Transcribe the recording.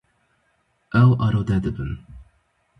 Ew arode dibin.